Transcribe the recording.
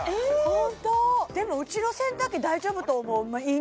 ホントでもうちの洗濯機大丈夫と思ういい